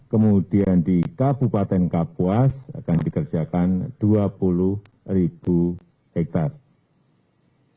kemudian di kabupaten kapuas akan dikerjakan dua puluh ribu hektare